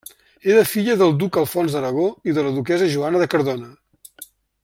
Era filla del duc Alfons d'Aragó i de la duquessa Joana de Cardona.